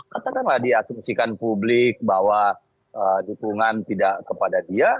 katakanlah diasumsikan publik bahwa dukungan tidak kepada dia